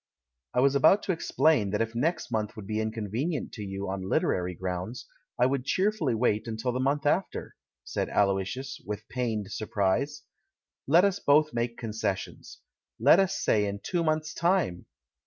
"I was about to explain that if next month would be inconvenient to you on literary grounds, I would cheerfully wait until the month after," said Aloysius, with pained surprise. "Let us both make concessions — let us say in two months' time!